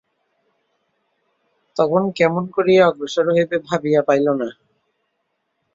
তখন, কেমন করিয়া অগ্রসর হইবে ভাবিয়া পাইল না।